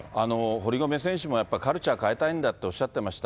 堀米選手もやっぱり、カルチャー変えたいんだっておっしゃってました。